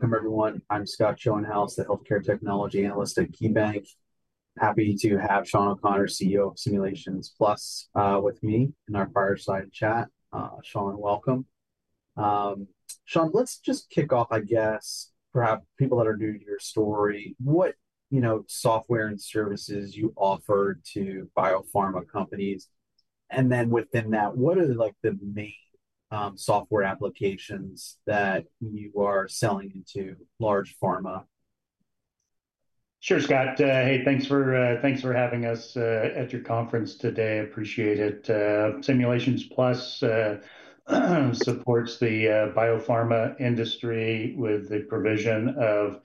Welcome, everyone. I'm Scott Schoenhaus, the Healthcare Technology Analyst at KeyBank. Happy to have Shawn O'Connor, CEO of Simulations Plus, with me in our fireside chat. Shawn, welcome. Shawn, let's just kick off, I guess, perhaps people that are new to your story, what software and services you offer to biopharma companies. Within that, what are the main software applications that you are selling into large pharma? Sure, Scott. Hey, thanks for having us at your conference today. I appreciate it. Simulations Plus supports the biopharma industry with the provision of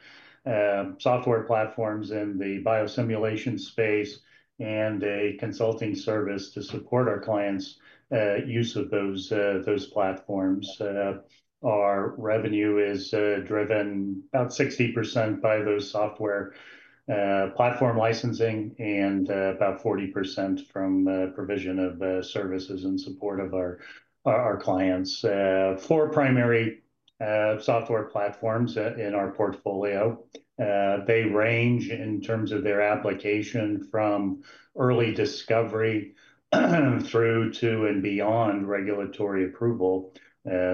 software platforms in the biosimulation space and a consulting service to support our clients' use of those platforms. Our revenue is driven about 60% by those software platform licensing and about 40% from the provision of services and support of our clients. Four primary software platforms in our portfolio. They range in terms of their application from early discovery through to and beyond regulatory approval.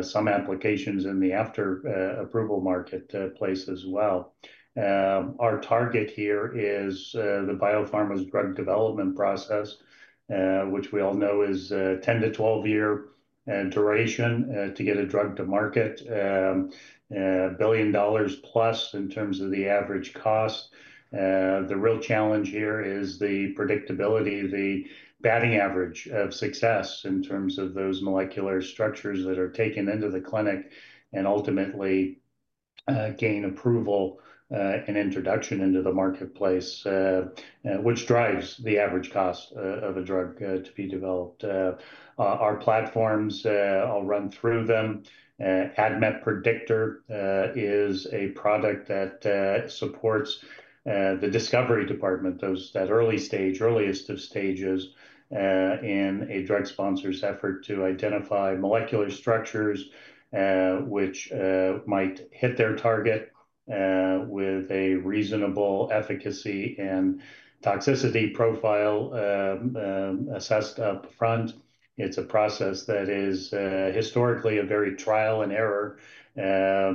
Some applications in the after-approval marketplace as well. Our target here is the biopharma's drug development process, which we all know is a 10-12 year duration to get a drug to market, a billion dollars plus in terms of the average cost. The real challenge here is the predictability, the batting average of success in terms of those molecular structures that are taken into the clinic and ultimately gain approval and introduction into the marketplace, which drives the average cost of a drug to be developed. Our platforms, I'll run through them. ADMET Predictor is a product that supports the discovery department, that early stage, earliest of stages in a drug sponsor's effort to identify molecular structures which might hit their target with a reasonable efficacy and toxicity profile assessed upfront. It's a process that is historically a very trial and error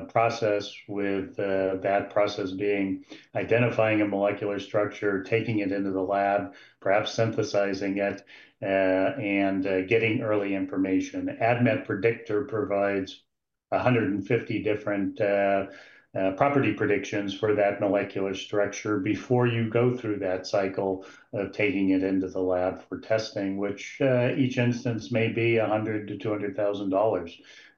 process, with that process being identifying a molecular structure, taking it into the lab, perhaps synthesizing it, and getting early information. ADMET Predictor provides 150 different property predictions for that molecular structure before you go through that cycle of taking it into the lab for testing, which each instance may be $100,000-$200,000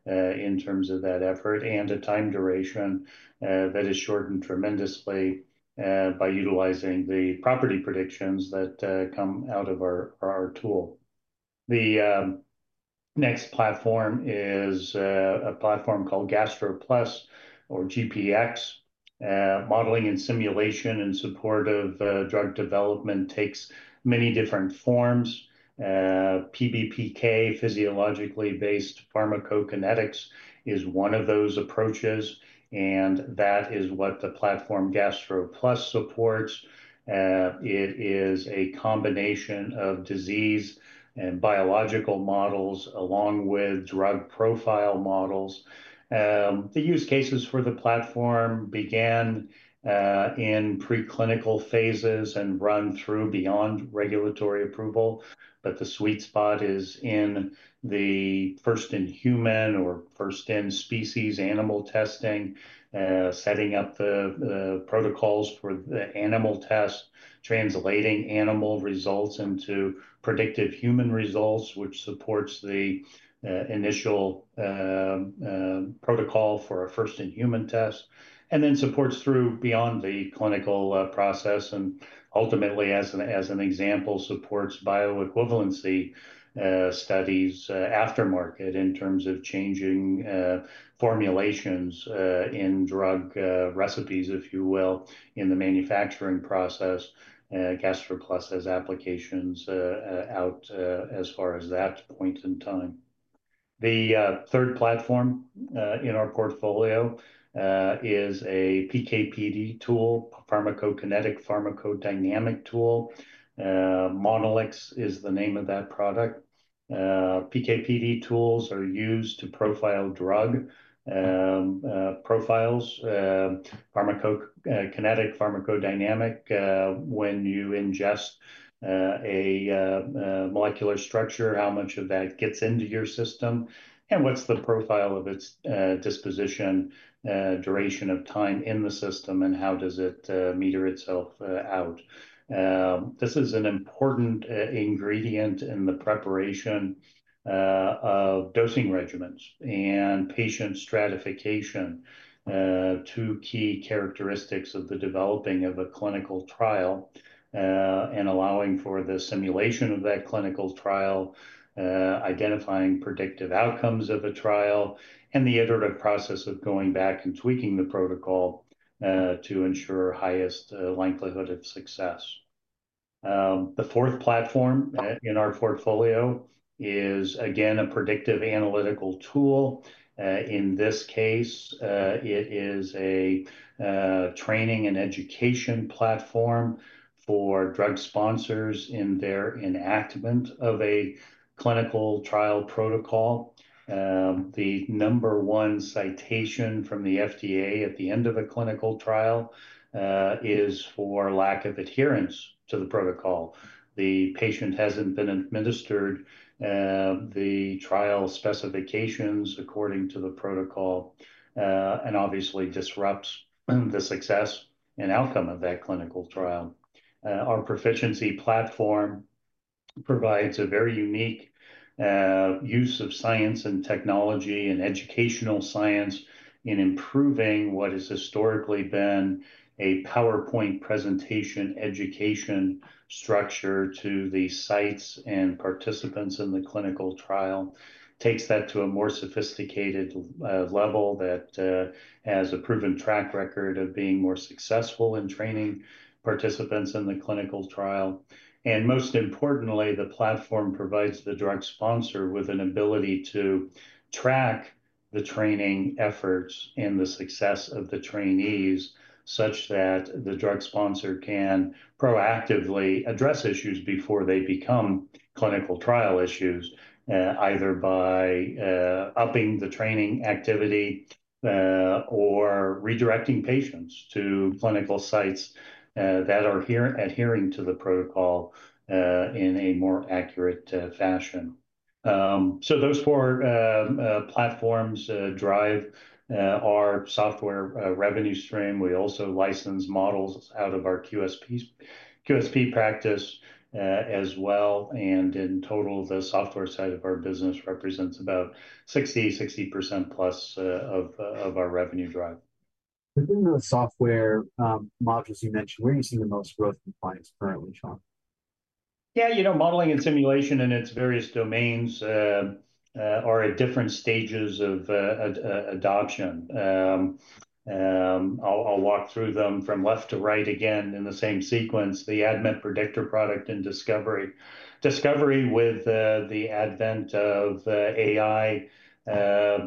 in terms of that effort and a time duration that is shortened tremendously by utilizing the property predictions that come out of our tool. The next platform is a platform called GastroPlus or GPX. Modeling and simulation in support of drug development takes many different forms. PBPK, physiologically based pharmacokinetics, is one of those approaches. That is what the platform GastroPlus supports. It is a combination of disease and biological models along with drug profile models. The use cases for the platform began in preclinical phases and run through beyond regulatory approval. The sweet spot is in the first in human or first in species animal testing, setting up the protocols for the animal test, translating animal results into predictive human results, which supports the initial protocol for a first in human test, and then supports through beyond the clinical process. Ultimately, as an example, supports bioequivalency studies aftermarket in terms of changing formulations in drug recipes, if you will, in the manufacturing process. GastroPlus has applications out as far as that point in time. The third platform in our portfolio is a PKPD tool, pharmacokinetic pharmacodynamic tool. Monolix is the name of that product. PKPD tools are used to profile drug profiles, pharmacokinetic pharmacodynamic, when you ingest a molecular structure, how much of that gets into your system, and what's the profile of its disposition, duration of time in the system, and how does it meter itself out. This is an important ingredient in the preparation of dosing regimens and patient stratification, two key characteristics of the developing of a clinical trial and allowing for the simulation of that clinical trial, identifying predictive outcomes of a trial, and the iterative process of going back and tweaking the protocol to ensure highest likelihood of success. The fourth platform in our portfolio is, again, a predictive analytical tool. In this case, it is a training and education platform for drug sponsors in their enactment of a clinical trial protocol. The number one citation from the FDA at the end of a clinical trial is for lack of adherence to the protocol. The patient hasn't been administered the trial specifications according to the protocol and obviously disrupts the success and outcome of that clinical trial. Our Pro -ficiency platform provides a very unique use of science and technology and educational science in improving what has historically been a PowerPoint presentation education structure to the sites and participants in the clinical trial. It takes that to a more sophisticated level that has a proven track record of being more successful in training participants in the clinical trial. Most importantly, the platform provides the drug sponsor with an ability to track the training efforts and the success of the trainees such that the drug sponsor can proactively address issues before they become clinical trial issues, either by upping the training activity or redirecting patients to clinical sites that are adhering to the protocol in a more accurate fashion. Those four platforms drive our software revenue stream. We also license models out of our QSP practice as well. In total, the software side of our business represents about 60%-60% plus of our revenue drive. Within the software modules you mentioned, where are you seeing the most growth in clients currently, Shawn? Yeah, you know, modeling and simulation in its various domains are at different stages of adoption. I'll walk through them from left to right again in the same sequence. The ADMET Predictor product and discovery. Discovery with the advent of AI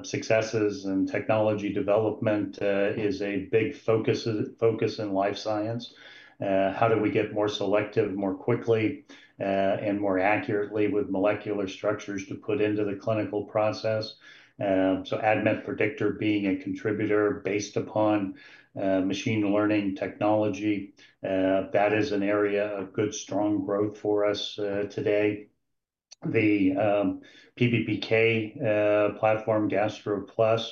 successes and technology development is a big focus in life science. How do we get more selective, more quickly, and more accurately with molecular structures to put into the clinical process? So ADMET Predictor being a contributor based upon machine learning technology, that is an area of good, strong growth for us today. The PBPK platform, GastroPlus,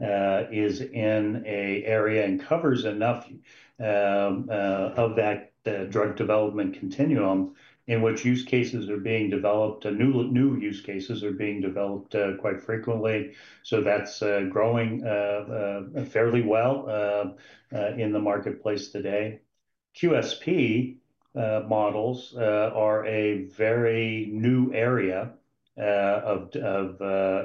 is in an area and covers enough of that drug development continuum in which use cases are being developed. New use cases are being developed quite frequently. That's growing fairly well in the marketplace today. QSP models are a very new area of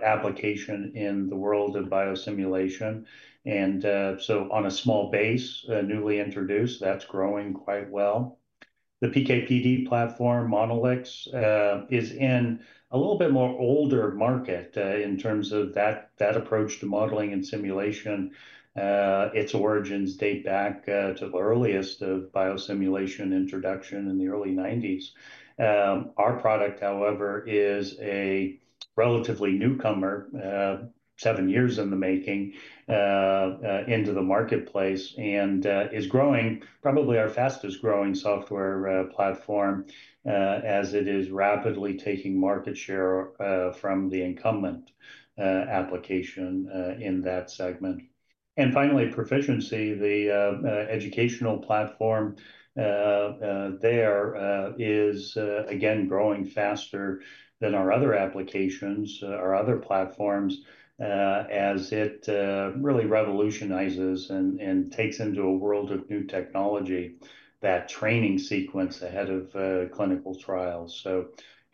application in the world of biosimulation. On a small base, newly introduced, that's growing quite well. The PKPD platform, Monolix, is in a little bit more older market in terms of that approach to modeling and simulation. Its origins date back to the earliest of biosimulation introduction in the early 1990s. Our product, however, is a relatively newcomer, seven years in the making, into the marketplace and is growing probably our fastest growing software platform as it is rapidly taking market share from the incumbent application in that segment. Finally, Pro-ficiency, the educational platform there is, again, growing faster than our other applications, our other platforms, as it really revolutionizes and takes into a world of new technology that training sequence ahead of clinical trials.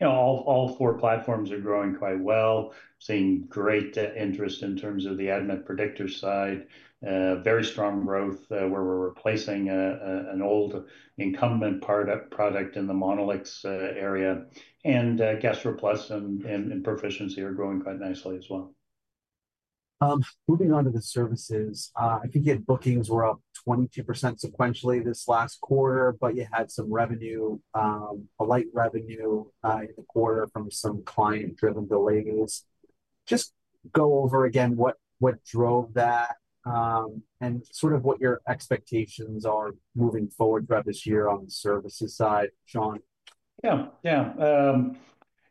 All four platforms are growing quite well, seeing great interest in terms of the ADMET Predictor side, very strong growth where we're replacing an old incumbent product in the Monolix area. GastroPlus and Pro-ficiency are growing quite nicely as well. Moving on to the services, I think you had bookings were up 22% sequentially this last quarter, but you had some revenue, a light revenue in the quarter from some client-driven delays. Just go over again what drove that and sort of what your expectations are moving forward throughout this year on the services side, Shawn? Yeah, yeah.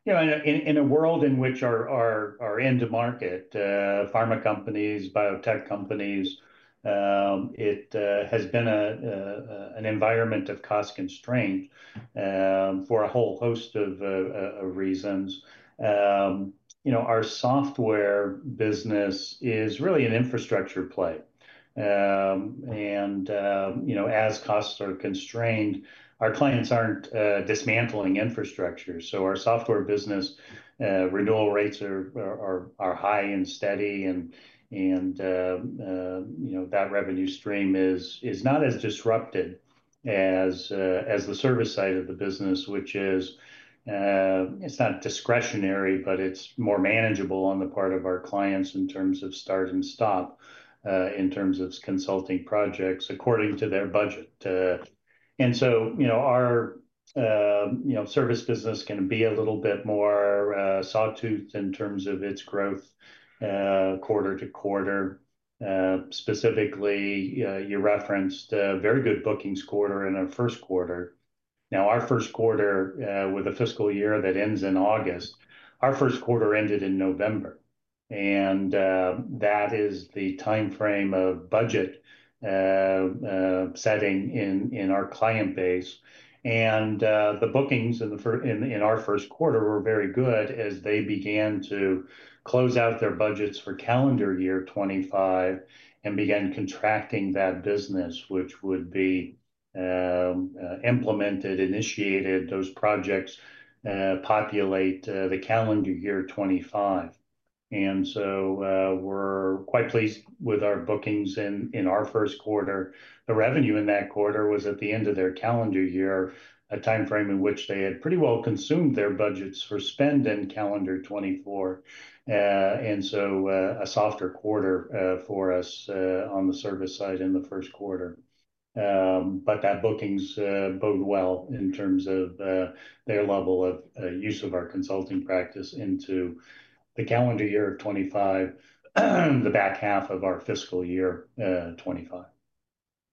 In a world in which our end-to-market pharma companies, biotech companies, it has been an environment of cost constraint for a whole host of reasons. Our software business is really an infrastructure play. As costs are constrained, our clients aren't dismantling infrastructure. Our software business renewal rates are high and steady. That revenue stream is not as disrupted as the service side of the business, which is, it's not discretionary, but it's more manageable on the part of our clients in terms of start and stop, in terms of consulting projects according to their budget. Our service business can be a little bit more sawtooth in terms of its growth quarter to quarter. Specifically, you referenced a very good bookings quarter in our first quarter. Now, our first quarter with a fiscal year that ends in August, our first quarter ended in November. That is the timeframe of budget setting in our client base. The bookings in our first quarter were very good as they began to close out their budgets for calendar year 2025 and began contracting that business, which would be implemented, initiated, those projects populate the calendar year 2025. We are quite pleased with our bookings in our first quarter. The revenue in that quarter was at the end of their calendar year, a timeframe in which they had pretty well consumed their budgets for spend in calendar 2024. A softer quarter for us on the service side in the first quarter. That bookings bode well in terms of their level of use of our consulting practice into the calendar year of 2025, the back half of our fiscal year 2025.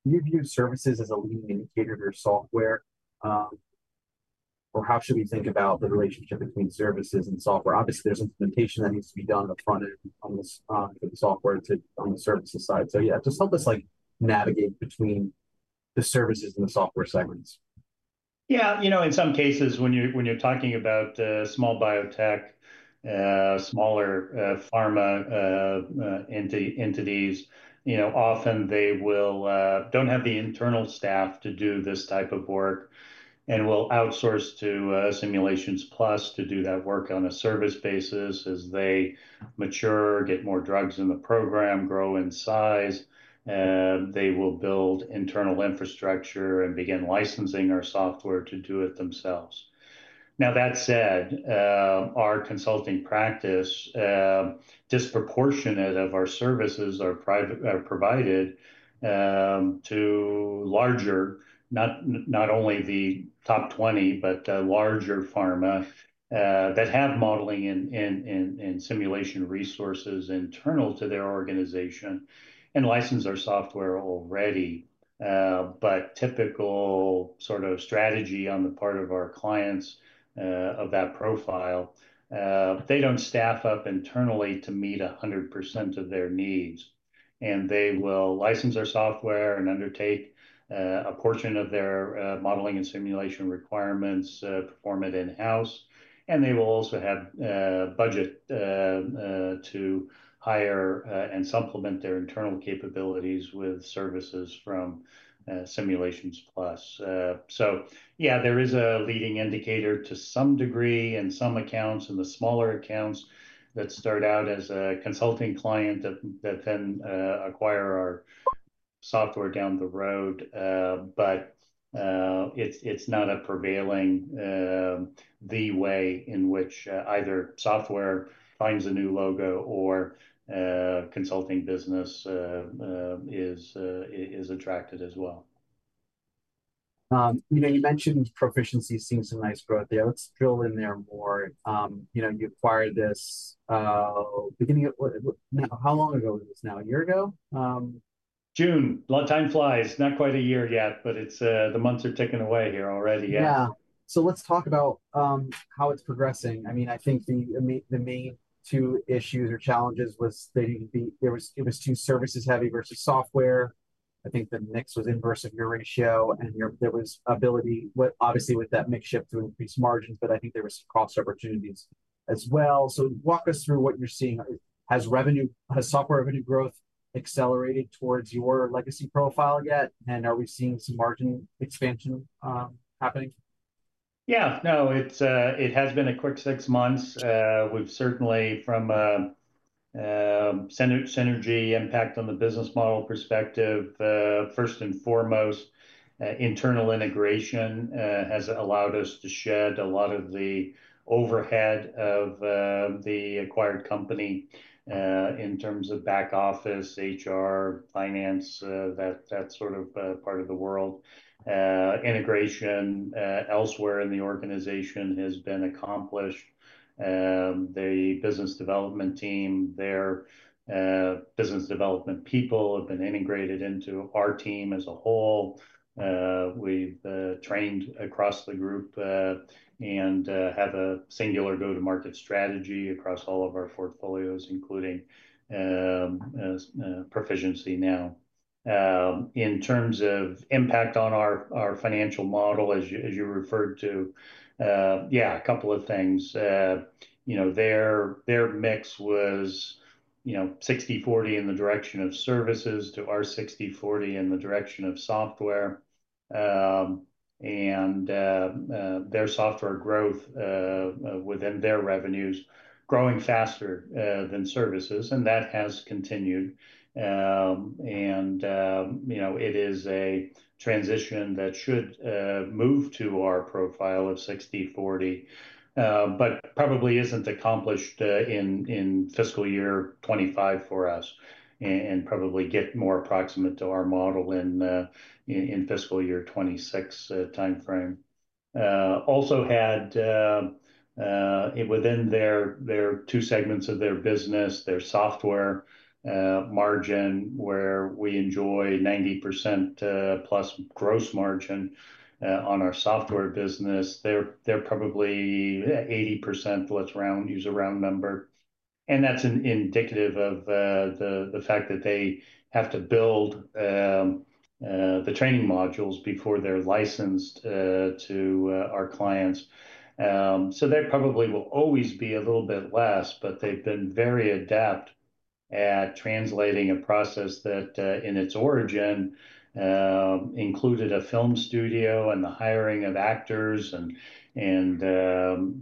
You've used services as a leading indicator of your software. How should we think about the relationship between services and software? Obviously, there's implementation that needs to be done upfront for the software on the services side. Just help us navigate between the services and the software segments. Yeah, you know, in some cases, when you're talking about small biotech, smaller pharma entities, often they don't have the internal staff to do this type of work and will outsource to Simulations Plus to do that work on a service basis as they mature, get more drugs in the program, grow in size. They will build internal infrastructure and begin licensing our software to do it themselves. Now, that said, our consulting practice, disproportionate of our services are provided to larger, not only the top 20, but larger pharma that have modeling and simulation resources internal to their organization and license our software already. Typical sort of strategy on the part of our clients of that profile, they don't staff up internally to meet 100% of their needs. They will license our software and undertake a portion of their modeling and simulation requirements, perform it in-house. They will also have budget to hire and supplement their internal capabilities with services from Simulations Plus. Yeah, there is a leading indicator to some degree in some accounts and the smaller accounts that start out as a consulting client that then acquire our software down the road. It is not a prevailing way in which either software finds a new logo or consulting business is attracted as well. You mentioned Pro-ficiency seems a nice growth there. Let's drill in there more. You acquired this beginning of how long ago was this now, a year ago? June. A lot of time flies. Not quite a year yet, but the months are ticking away here already. Yeah. Let's talk about how it's progressing. I mean, I think the main two issues or challenges was it was too services-heavy versus software. I think the mix was inverse of your ratio and there was ability, obviously with that mix shift to increase margins, but I think there were some cost opportunities as well. Walk us through what you're seeing. Has software revenue growth accelerated towards your legacy profile yet? Are we seeing some margin expansion happening? Yeah. No, it has been a quick six months. We've certainly, from a synergy impact on the business model perspective, first and foremost, internal integration has allowed us to shed a lot of the overhead of the acquired company in terms of back office, HR, finance, that sort of part of the world. Integration elsewhere in the organization has been accomplished. The business development team, their business development people have been integrated into our team as a whole. We've trained across the group and have a singular go-to-market strategy across all of our portfolios, including Pro-ficiency now. In terms of impact on our financial model, as you referred to, yeah, a couple of things. Their mix was 60/40 in the direction of services to our 60/40 in the direction of software. And their software growth within their revenues growing faster than services. And that has continued. It is a transition that should move to our profile of 60/40, but probably isn't accomplished in fiscal year 2025 for us and probably get more approximate to our model in fiscal year 2026 timeframe. Also had within their two segments of their business, their software margin, where we enjoy 90% plus gross margin on our software business, they're probably 80%, let's use a round number. That's indicative of the fact that they have to build the training modules before they're licensed to our clients. There probably will always be a little bit less, but they've been very adept at translating a process that in its origin included a film studio and the hiring of actors and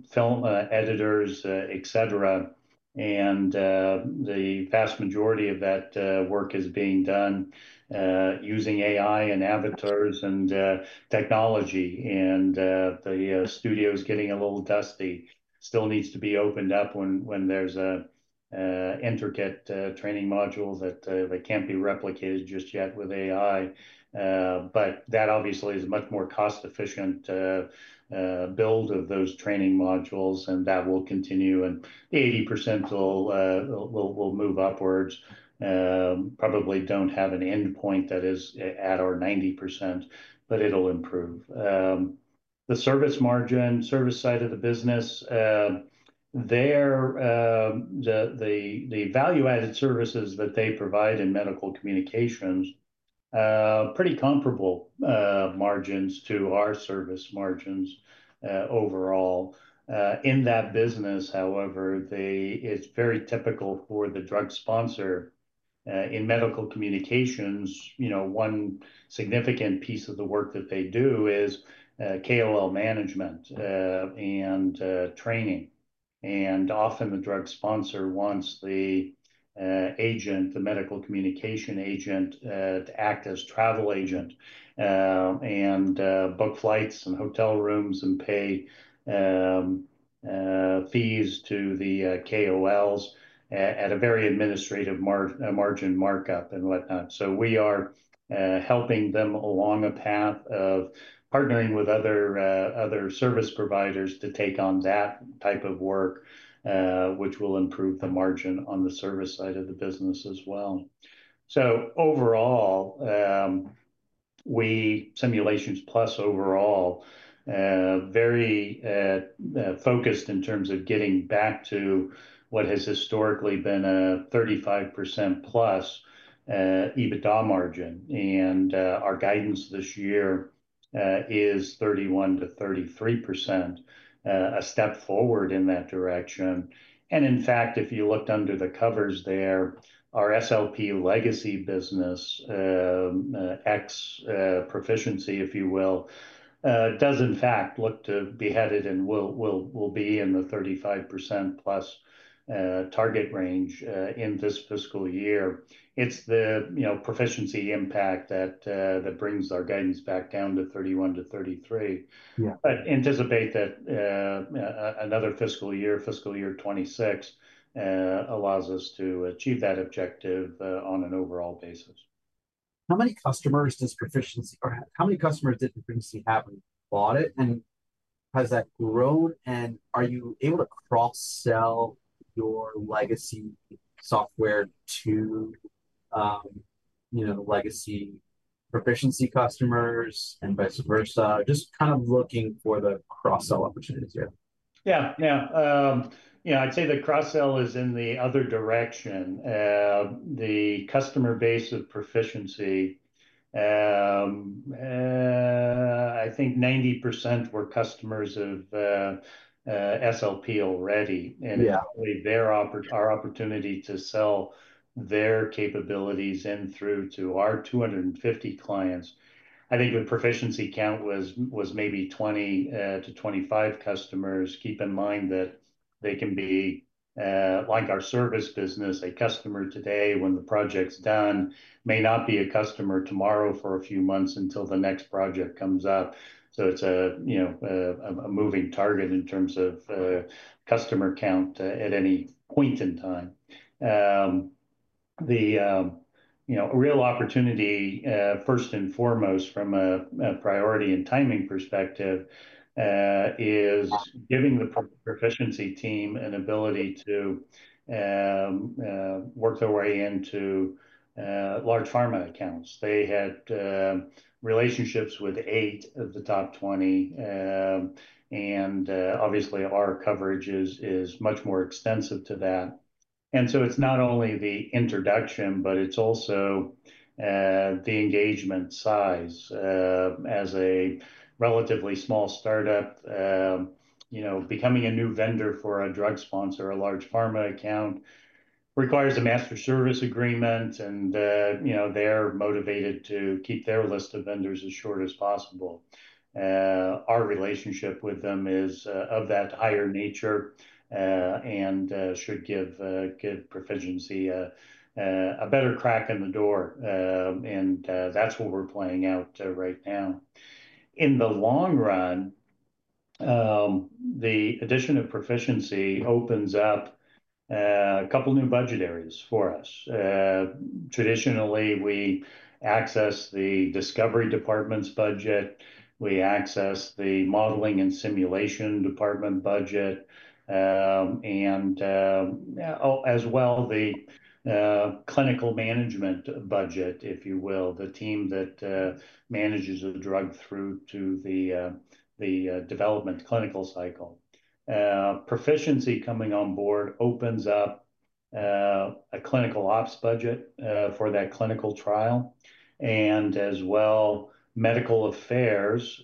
film editors, etc. The vast majority of that work is being done using AI and avatars and technology. The studio is getting a little dusty. Still needs to be opened up when there's an intricate training module that can't be replicated just yet with AI. That obviously is a much more cost-efficient build of those training modules. That will continue. The 80% will move upwards. Probably don't have an endpoint that is at our 90%, but it'll improve. The service margin, service side of the business, the value-added services that they provide in medical communications, pretty comparable margins to our service margins overall. In that business, however, it's very typical for the drug sponsor in medical communications, one significant piece of the work that they do is KOL management and training. Often the drug sponsor wants the agent, the medical communication agent, to act as travel agent and book flights and hotel rooms and pay fees to the KOLs at a very administrative margin markup and whatnot. We are helping them along a path of partnering with other service providers to take on that type of work, which will improve the margin on the service side of the business as well. Overall, Simulations Plus is very focused in terms of getting back to what has historically been a 35% plus EBITDA margin. Our guidance this year is 31-33%, a step forward in that direction. In fact, if you looked under the covers there, our SLP legacy business, ex Pro-ficiency, if you will, does in fact look to be headed and will be in the 35% plus target range in this fiscal year. It is the Pro-ficiency impact that brings our guidance back down to 31-33%. Anticipate that another fiscal year, fiscal year 2026, allows us to achieve that objective on an overall basis. How many customers does Pro-ficiency or how many customers did Pro-ficiency have when you bought it? Has that grown? Are you able to cross-sell your legacy software to legacy Pro-ficiency customers and vice versa? Just kind of looking for the cross-sell opportunities here. Yeah, yeah. Yeah, I'd say the cross-sell is in the other direction. The customer base of Pro-ficiency, I think 90% were customers of SLP already. It's really our opportunity to sell their capabilities in through to our 250 clients. I think the Pro-ficiency count was maybe 20-25 customers. Keep in mind that they can be like our service business. A customer today, when the project's done, may not be a customer tomorrow for a few months until the next project comes up. It's a moving target in terms of customer count at any point in time. The real opportunity, first and foremost, from a priority and timing perspective, is giving the Pro-ficiency team an ability to work their way into large pharma accounts. They had relationships with eight of the top 20. Obviously, our coverage is much more extensive to that. It is not only the introduction, but it is also the engagement size. As a relatively small startup, becoming a new vendor for a drug sponsor, a large pharma account, requires a master service agreement. They are motivated to keep their list of vendors as short as possible. Our relationship with them is of that higher nature and should give Pro-ficiency a better crack in the door. That is what we are playing out right now. In the long run, the addition of Pro-ficiency opens up a couple of new budget areas for us. Traditionally, we access the discovery department's budget. We access the modeling and simulation department budget. As well, the clinical management budget, if you will, the team that manages the drug through to the development clinical cycle. Pro-ficiency coming on board opens up a clinical ops budget for that clinical trial. As well, medical affairs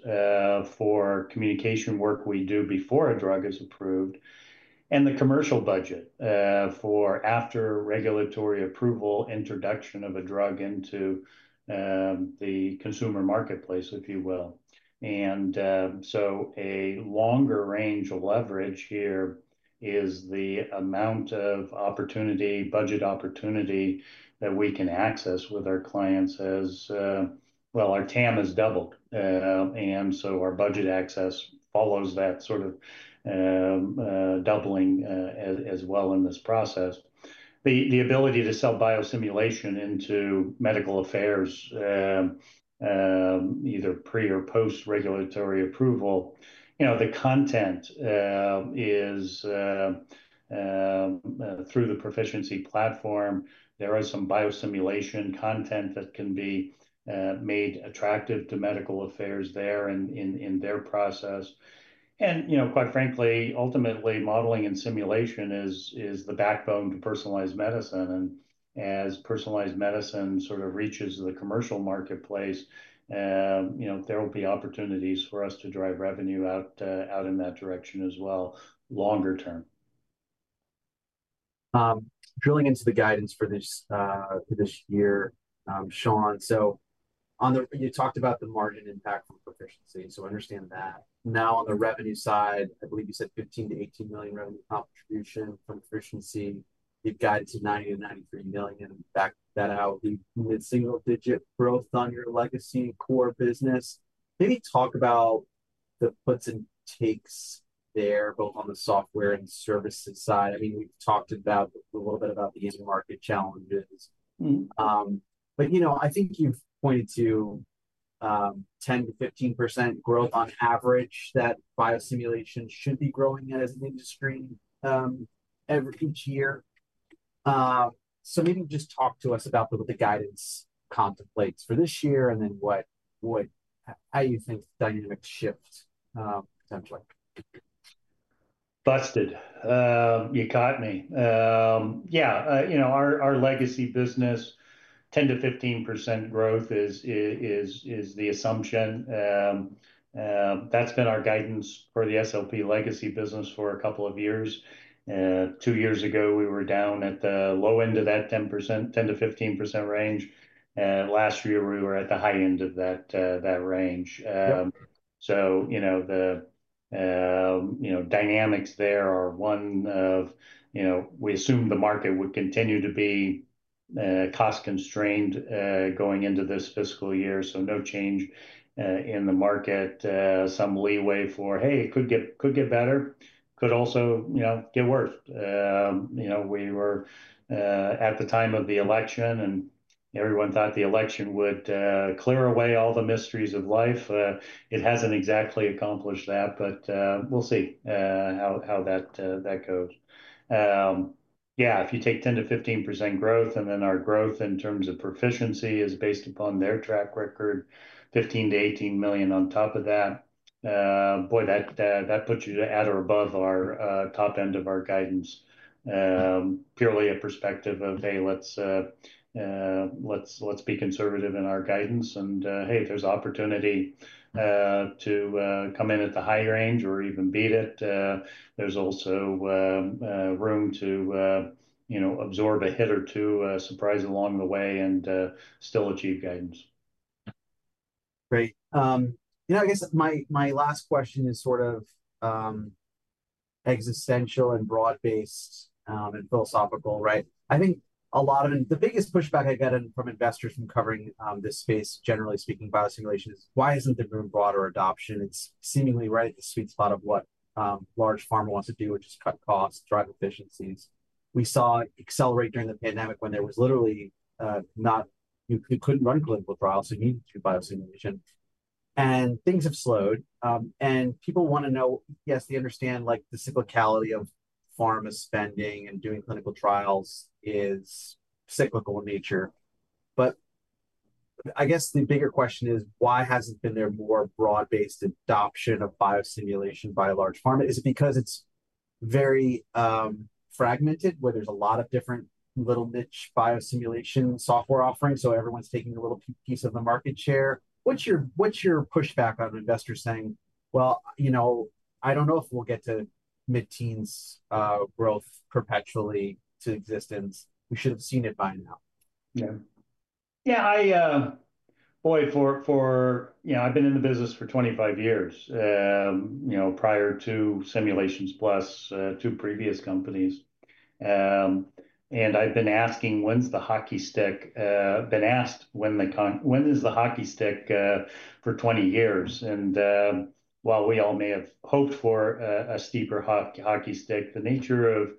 for communication work we do before a drug is approved. The commercial budget for after regulatory approval, introduction of a drug into the consumer marketplace, if you will. A longer range of leverage here is the amount of budget opportunity that we can access with our clients as well, our TAM has doubled. Our budget access follows that sort of doubling as well in this process. The ability to sell biosimulation into medical affairs, either pre or post regulatory approval, the content is through the Pro-ficiency platform. There are some biosimulation content that can be made attractive to medical affairs there in their process. Quite frankly, ultimately, modeling and simulation is the backbone to personalized medicine. As personalized medicine sort of reaches the commercial marketplace, there will be opportunities for us to drive revenue out in that direction as well longer term. Drilling into the guidance for this year, Shawn, you talked about the margin impact from Pro-ficiency. I understand that. Now, on the revenue side, I believe you said $15 million-$18 million revenue contribution from Pro-ficiency. You've guided to $90 million-$93 million. Back that out. Single-digit growth on your legacy core business. Maybe talk about the puts and takes there, both on the software and services side. I mean, we've talked a little bit about the end market challenges. I think you've pointed to 10%-15% growth on average that biosimulation should be growing as an industry each year. Maybe just talk to us about what the guidance contemplates for this year and how you think dynamics shift potentially. Busted. You caught me. Yeah. Our legacy business, 10-15% growth is the assumption. That's been our guidance for the SLP legacy business for a couple of years. Two years ago, we were down at the low end of that 10-15% range. Last year, we were at the high end of that range. The dynamics there are one of we assume the market would continue to be cost-constrained going into this fiscal year. No change in the market. Some leeway for, hey, it could get better, could also get worse. We were at the time of the election, and everyone thought the election would clear away all the mysteries of life. It hasn't exactly accomplished that, but we'll see how that goes. Yeah. If you take 10%-15% growth, and then our growth in terms of Pro-ficiency is based upon their track record, $15 million-$18 million on top of that, boy, that puts you at or above our top end of our guidance. Purely a perspective of, hey, let's be conservative in our guidance. And hey, if there's opportunity to come in at the high range or even beat it, there's also room to absorb a hit or two surprise along the way and still achieve guidance. Great. I guess my last question is sort of existential and broad-based and philosophical, right? I think a lot of the biggest pushback I've gotten from investors from covering this space, generally speaking, biosimulation is, why isn't there more broader adoption? It's seemingly right at the sweet spot of what large pharma wants to do, which is cut costs, drive efficiencies. We saw it accelerate during the pandemic when there was literally not you couldn't run clinical trials, so you needed to do biosimulation. Things have slowed. People want to know, yes, they understand the cyclicality of pharma spending and doing clinical trials is cyclical in nature. I guess the bigger question is, why hasn't there been more broad-based adoption of biosimulation by a large pharma? Is it because it's very fragmented, where there's a lot of different little niche biosimulation software offerings, so everyone's taking a little piece of the market share? What's your pushback on investors saying, well, I don't know if we'll get to mid-teens growth perpetually to existence. We should have seen it by now. Yeah. Yeah. Boy, I've been in the business for 25 years prior to Simulations Plus, two previous companies. I've been asking, when's the hockey stick? I've been asked, when is the hockey stick for 20 years? While we all may have hoped for a steeper hockey stick, the nature of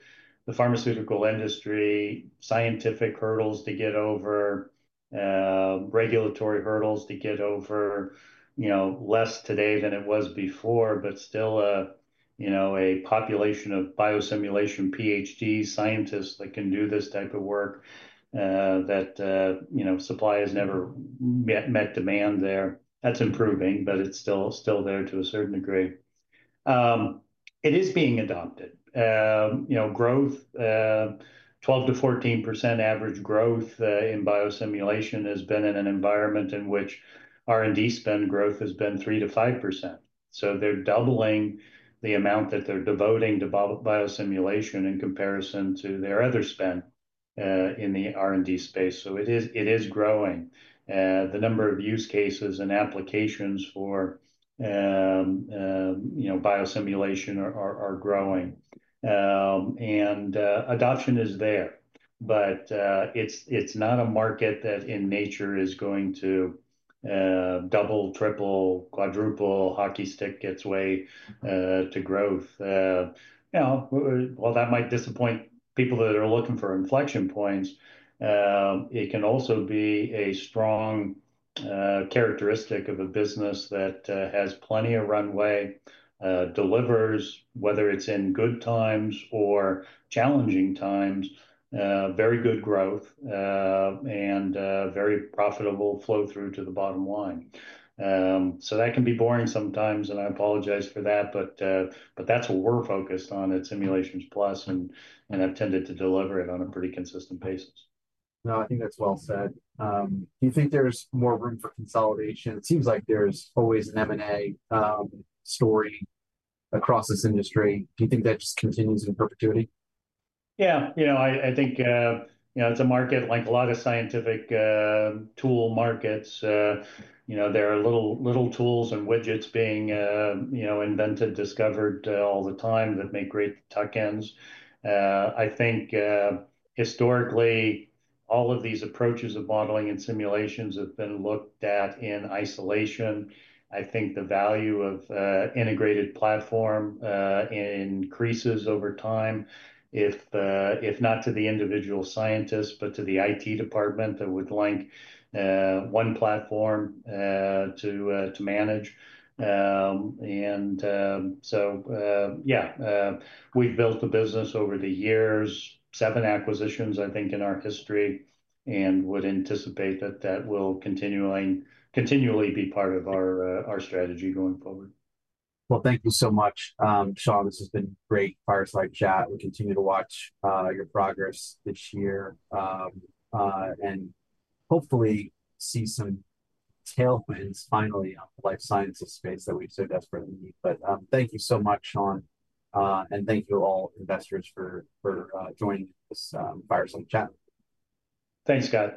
the pharmaceutical industry, scientific hurdles to get over, regulatory hurdles to get over less today than it was before, but still a population of biosimulation PhD scientists that can do this type of work, that supply has never met demand there. That's improving, but it's still there to a certain degree. It is being adopted. Growth, 12-14% average growth in biosimulation has been in an environment in which R&D spend growth has been 3-5%. They're doubling the amount that they're devoting to biosimulation in comparison to their other spend in the R&D space. It is growing. The number of use cases and applications for biosimulation are growing. And adoption is there. It's not a market that in nature is going to double, triple, quadruple, hockey stick its way to growth. That might disappoint people that are looking for inflection points. It can also be a strong characteristic of a business that has plenty of runway, delivers, whether it's in good times or challenging times, very good growth, and very profitable flow through to the bottom line. That can be boring sometimes, and I apologize for that. That's what we're focused on at Simulations Plus, and I've tended to deliver it on a pretty consistent basis. No, I think that's well said. Do you think there's more room for consolidation? It seems like there's always an M&A story across this industry. Do you think that just continues in perpetuity? Yeah. I think it's a market like a lot of scientific tool markets. There are little tools and widgets being invented, discovered all the time that make great tuck-ins. I think historically, all of these approaches of modeling and simulations have been looked at in isolation. I think the value of integrated platform increases over time, if not to the individual scientists, but to the IT department that would like one platform to manage. Yeah, we've built a business over the years, seven acquisitions, I think, in our history, and would anticipate that that will continually be part of our strategy going forward. Thank you so much, Shawn. This has been a great fireside chat. We'll continue to watch your progress this year and hopefully see some tailwinds finally on the life sciences space that we so desperately need. Thank you so much, Shawn. Thank you to all investors for joining this fireside chat. Thanks, Scott.